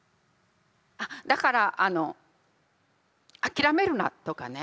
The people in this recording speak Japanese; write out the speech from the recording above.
あっだから諦めるなとかね